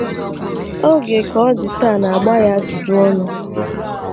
Oge Ka Ọ Dị Taa na-agba ya ajụjụ ọnụ